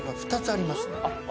ありますね。